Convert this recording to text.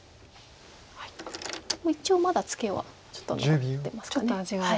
一応まだツケはちょっと残ってますか。